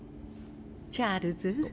チャールズ。